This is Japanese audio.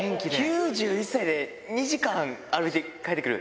９１歳で２時間歩いて帰ってくる？